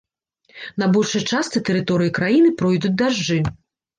На большай частцы тэрыторыі краіны пройдуць дажджы.